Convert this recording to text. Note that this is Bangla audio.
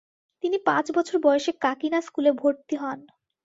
তিনি পাঁচ বছর বয়সে কাকিনা স্কুলে ভর্তি হন।